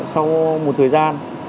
sau một thời gian